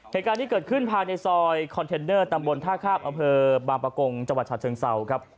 เหตุการณ์นี้เกิดขึ้นภายในซอยคอนเทนเนอร์ตำบลท่าข้ามอำเภอบางประกงจังหวัดฉะเชิงเศร้าครับ